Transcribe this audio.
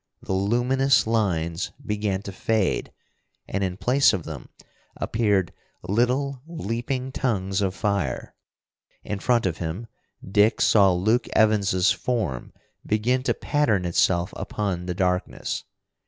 The luminous lines began to fade, and in place of them appeared little leaping tongues of fire. In front of him Dick saw Luke Evans's form begin to pattern itself upon the darkness.